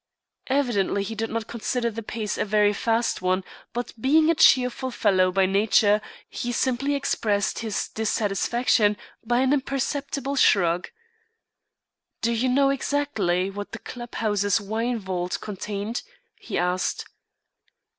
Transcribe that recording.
Evidently he did not consider the pace a very fast one, but being a cheerful fellow by nature, he simply expressed his dissatisfaction by an imperceptible shrug. "Do you know exactly what the club house's wine vault contained?" he asked.